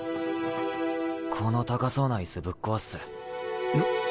この高そうな椅子ぶっ壊すぜ。